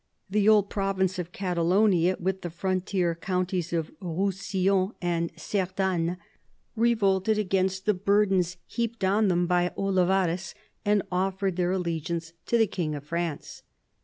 The old province of Catalonia, with the frontier counties of Roussillon and Cerdagne, revolted against the burdens heaped on them by Olivarez and offered their allegiance to the King of France.